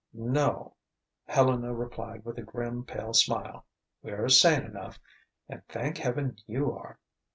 "No," Helena replied with a grim, pale smile; "We're sane enough and thank Heaven you are!